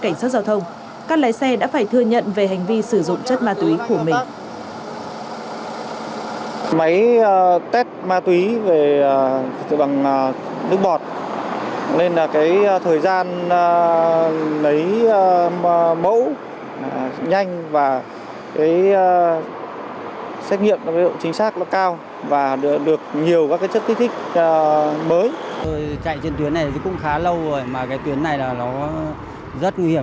cảnh sát giao thông các lái xe đã phải thừa nhận về hành vi sử dụng chất ma túy của mình